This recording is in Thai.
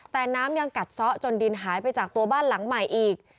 แต่น้ำยังกัดซ้อจนดินหายไปจากตัวบ้านหลังใหม่อีก